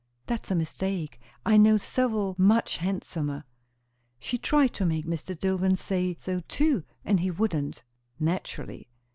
"That's a mistake. I know several much handsomer." "She tried to make Mr. Dillwyn say so too; and he wouldn't." "Naturally."